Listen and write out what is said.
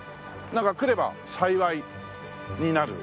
なんか来れば幸いになる